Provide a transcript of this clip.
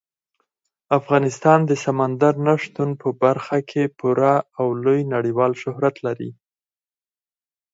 افغانستان د سمندر نه شتون په برخه کې پوره او لوی نړیوال شهرت لري.